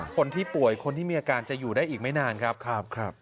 คนที่ป่วยคนที่มีอาการจะอยู่ได้อีกไม่นานครับ